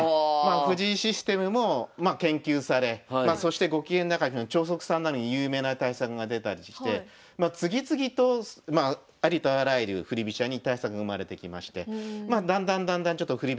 藤井システムも研究されそしてゴキゲン中飛車の超速３七銀有名な対策が出たりして次々とありとあらゆる振り飛車に対策が生まれてきましてだんだんだんだん振り